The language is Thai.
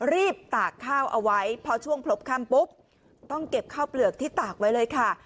ตากข้าวเอาไว้พอช่วงพลบค่ำปุ๊บต้องเก็บข้าวเปลือกที่ตากไว้เลยค่ะ